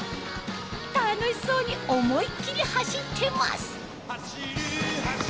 楽しそうに思いっ切り走ってます！